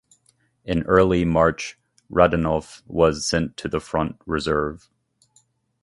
In early March Rodionov was sent to the front reserve.